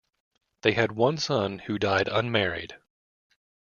They had one son who died unmarried.